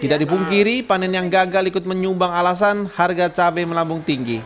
tidak dipungkiri panen yang gagal ikut menyumbang alasan harga cabai melambung tinggi